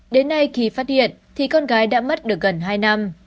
đến nay khi phát hiện thì con gái đã mất được gần hai năm